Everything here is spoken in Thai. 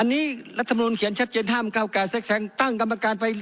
อันนี้รัฐมนุนเขียนชัดเจนห้ามเก้าไก่แทรกแซงตั้งกรรมการไป